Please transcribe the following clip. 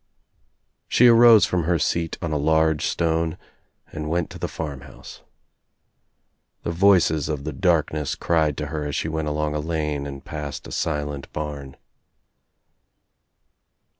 She arose from her seat on a large stone and went to the farmhouse. The voices of the darkness cried to her as she went along a lane and past a silent barn.